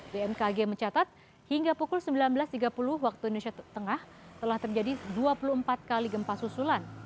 bmkg mencatat hingga pukul sembilan belas tiga puluh waktu indonesia tengah telah terjadi dua puluh empat kali gempa susulan